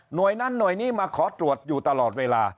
โดยนั้นหน่วยนี้มาขอตรวจอยู่ตลอดเวลา